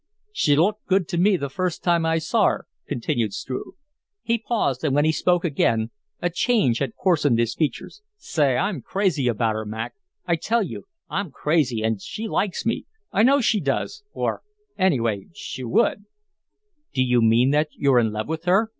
"She looked good to me the first time I saw her," continued Struve. He paused, and when he spoke again a change had coarsened his features, "Say, I'm crazy about her, Mac. I tell you, I'm crazy and she likes me I know she does or, anyway, she would " "Do you mean that you're in love with her?"